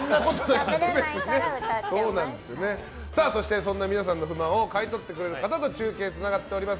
そんな皆さんの不満を買い取ってくれる方と中継がつながっております。